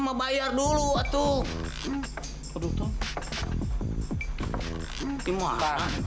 mau bayar dulu waktu aduh